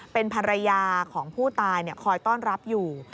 เป็นภรรยาของผู้ตายคอยต้อนรับอยู่